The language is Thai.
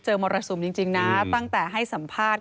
มรสุมจริงนะตั้งแต่ให้สัมภาษณ์